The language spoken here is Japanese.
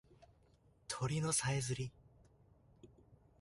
鳥のさえずり